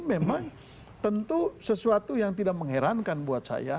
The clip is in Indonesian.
memang tentu sesuatu yang tidak mengherankan buat saya